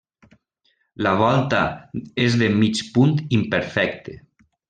La volta és de mig punt imperfecte.